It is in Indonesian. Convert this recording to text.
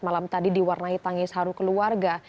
malam tadi diwarnai tangis haru keluarga